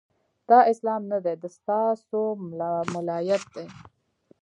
دا اسلام نه دی، د ستا سو ملایت دی